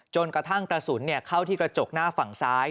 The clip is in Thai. กระทั่งกระสุนเข้าที่กระจกหน้าฝั่งซ้าย